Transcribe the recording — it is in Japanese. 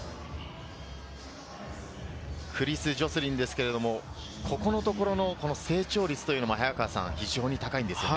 クリス・ジョスリンですが、ここのところ、成長率というのも非常に高いですよね。